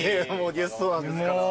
ゲストなんですから。